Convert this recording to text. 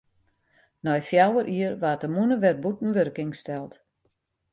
Nei fjouwer jier waard de mûne wer bûten wurking steld.